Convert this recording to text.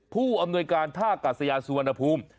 ผู้อำนวยการท่ากาศยาสุวรรณภูมิ